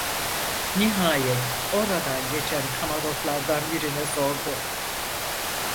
Nihayet oradan geçen kamarotlardan birine sordu.